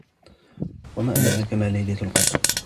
وما أدراك ما ليلة القدر